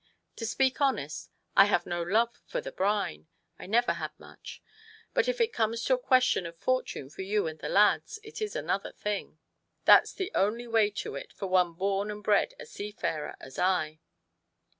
To speak honest, I have no love for the brine. I never had much. But if it comes to a question of a fortune for you and the lads, it is another thing. That's the only way to it for one born and bred a seafarer as I."